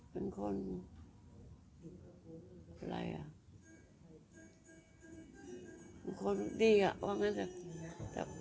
ต้องคำความพันธ์นี่หน่อยก็เป็นคนดีอ่ะ